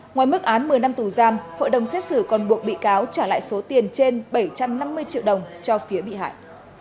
ngoài mức án một mươi năm tù giam hội đồng xét xử còn buộc bị cáo trả lại số tiền trên bảy trăm năm mươi triệu đồng cho phía bị hại